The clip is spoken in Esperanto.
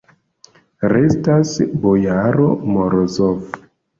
Restas bojaro Morozov.